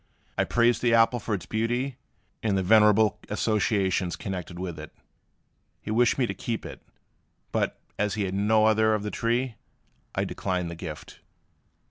I praised the apple for its beauty, and the venerable associations connected with it. He wished me to keep it; but, as he had no other of the tree, I declined the gift.